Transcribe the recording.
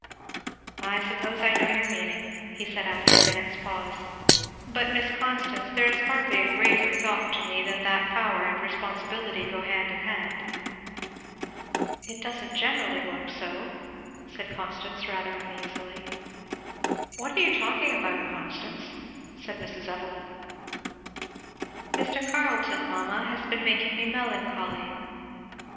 "I suppose I know your meaning," he said after a minute's pause; "but, Miss Constance, there is hardly a graver thought to me than that power and responsibility go hand in hand." "It don't generally work so," said Constance rather uneasily. "What are you talking about, Constance?" said Mrs. Evelyn. "Mr. Carleton, mamma, has been making me melancholy."